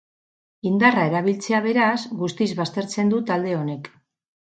Indarra erabiltzea, beraz, guztiz baztertzen du talde honek.